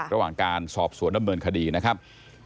ระหว่างการสอบสวนดำเนินคดีนะครับ